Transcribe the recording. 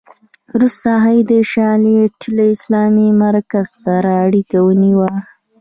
وروسته هغې د شارليټ له اسلامي مرکز سره اړیکه ونیوه